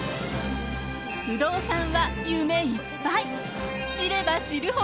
不動産は夢いっぱい。